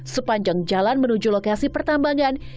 sepanjang jalan menuju lokasi pertambangan